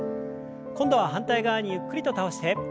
今度は反対側にゆっくりと倒して。